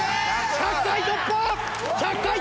１００回突破！